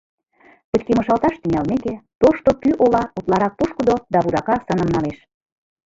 Пычкемышалташ тӱҥалмеке, тошто кӱ ола утларак пушкыдо да вудака сыным налеш.